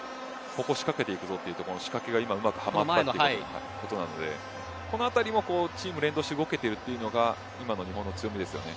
ここ仕掛けていくというところの仕掛けがうまくいったということなのでこのあたりもチーム連動して動けているというのが今の日本の強みですよね。